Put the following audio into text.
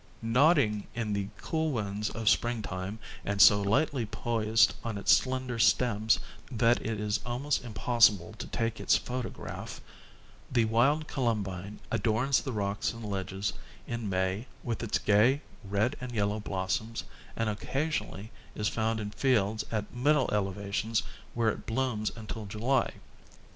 Nodding in the cool winds of spring time, and so lightly poised on its slender stems, that it is almost impossible to take its photograph, the wild columbine adorns the rocks and ledges in May with its gay, red and yellow blossoms and occasionally is found in fields at middle elevations where it blooms until July.